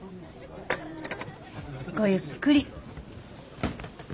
ごゆっくり。